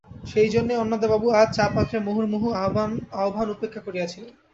সেইজন্যেই অন্নদাবাবু আজ চা-পাত্রের মুহুর্মুহু আহ্বান উপেক্ষা করিয়াছিলেন।